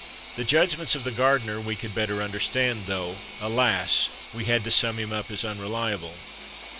The judgments of the gardener we could better understand, though, alas ! we had to sum him up as unreliable.